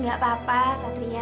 gak apa apa satria